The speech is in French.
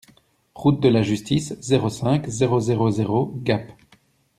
Route de la Justice, zéro cinq, zéro zéro zéro Gap